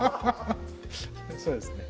そうですね